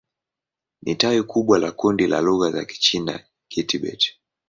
Ni tawi kubwa la kundi la lugha za Kichina-Kitibet.